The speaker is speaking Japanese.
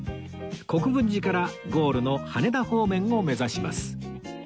国分寺からゴールの羽田方面を目指します！